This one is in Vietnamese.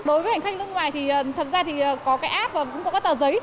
đối với hành khách nước ngoài thì thật ra thì có cái app và cũng có cái tờ giấy